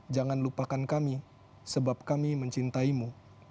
jangan lupakan kami sebab kami mencintaimu